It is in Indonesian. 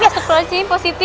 biar setelah ini pos siti